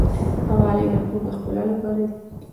غالۍ د کور د ښکلا لپاره دي.